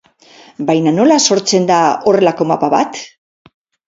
Baina nola sortzen da horrelako mapa bat?